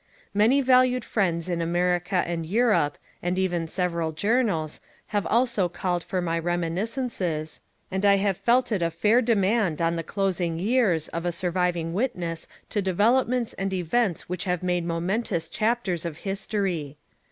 Many valued friends in America and Europe, and even several journals, have also called for my reminiscences, and I have felt it a fair demand on the closing years of a surviving witness to derelopments and events which have made momen tous chapters of history.